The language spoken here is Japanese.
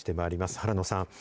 原野さん。